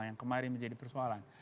yang kemarin menjadi persoalan